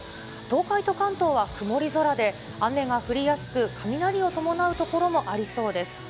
東海と関東は曇り空で、雨が降りやすく、雷を伴う所もありそうです。